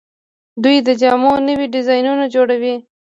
دوی د جامو نوي ډیزاینونه جوړوي.